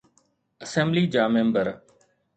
Assembly جا member.